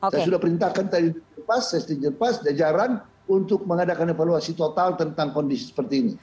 saya sudah perintahkan tadi di jepas saya sudah di jepas di jaran untuk mengadakan evaluasi total tentang kondisi seperti ini